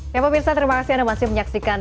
ya pak pirsah terima kasih anda masih menyaksikan